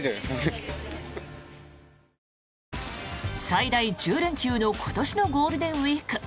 最大１０連休の今年のゴールデンウィーク。